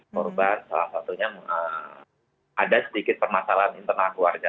korban salah satunya ada sedikit permasalahan internal keluarga